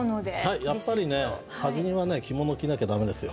はいやっぱりね歌人はね着物着なきゃ駄目ですよ。